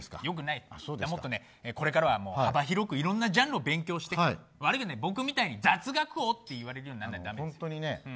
だから、もっとこれからは幅広くいろんなジャンルを勉強して僕みたいに雑学王って言われるようにならないと駄目。